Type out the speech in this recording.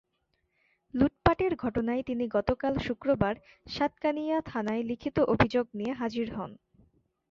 লুটপাটের ঘটনায় তিনি গতকাল শুক্রবার সাতকানিয়া থানায় লিখিত অভিযোগ নিয়ে হাজির হন।